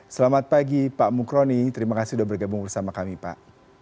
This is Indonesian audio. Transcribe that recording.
selamat pagi pak mukroni terima kasih sudah bergabung bersama kami pak